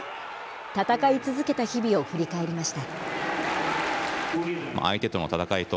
戦い続けた日々を振り返りました。